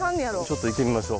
ちょっと行ってみましょ。